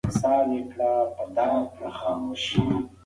کېدای شي پلان بدل شي.